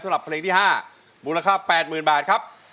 สำหรับเพลงที่ห้ามูลค่าแปดหมื่นบาทครับ